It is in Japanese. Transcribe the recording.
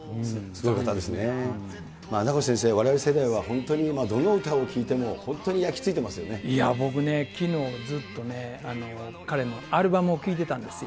名越先生、われわれ世代は本当にどの歌を聴いても、いや、僕ね、きのうずっとね、彼のアルバムを聴いてたんですよ。